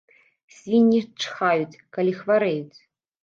Свінні чхаюць, калі хварэюць!